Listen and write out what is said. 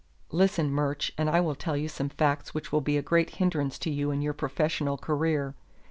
Listen, Murch, and I will tell you some facts which will be a great hindrance to you in your professional career.